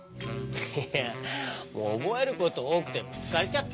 いやおぼえることおおくてつかれちゃった。